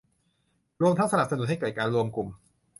รวมทั้งสนับสนุนให้เกิดการรวมกลุ่ม